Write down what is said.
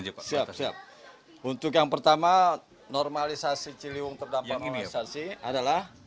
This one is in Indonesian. siap siap untuk yang pertama normalisasi ciliwung terdampak imunisasi adalah